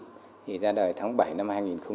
thì ra đời tháng bảy năm hai nghìn một mươi bốn